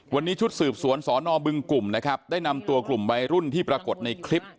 วันนี้ชุดสืบสวนสอนอบึงกลุ่มนะครับได้นำตัวกลุ่มวัยรุ่นที่ปรากฏในคลิป